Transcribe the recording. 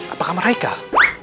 atau kamar haikal